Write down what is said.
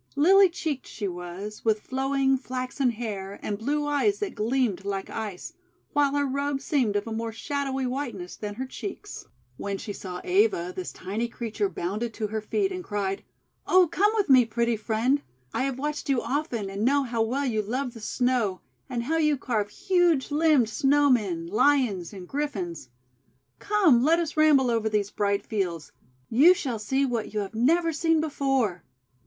Lily cheeked she was, with flowing flaxen hair and blue eyes that gleamed like Ice; while her robe seemed of a more shadowy whiteness than her cheeks. When she saw Eva, this tiny creature bounded to her feet, and cried :— "Oh, come with me, pretty Friend. I have watched you often, and know how well you love the Snow, and how you carve huge limbed SnowT men, Lions, and Griffins. Come, let us ramble over these bright fields. You shall see what you have never seen before."